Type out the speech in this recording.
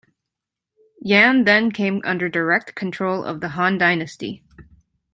Yan then came under direct control of the Han dynasty.